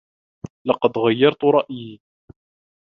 لقد غيّرت رأيي.